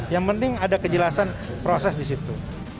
yang penting ada kejelasan proses di situ